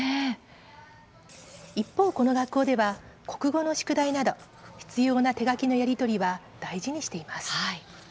一方、この学校では国語の宿題など必要な手書きのやり取りは大事にしています。